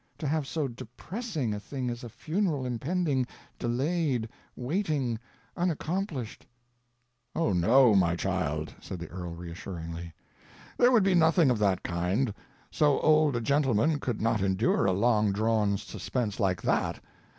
To have so depressing a thing as a funeral impending, delayed, waiting, unaccomplished—" "Oh, no, my child," said the earl reassuringly, "there would be nothing of that kind; so old a gentleman could not endure a long drawn suspense like that.